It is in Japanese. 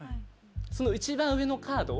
その一番上のカードを。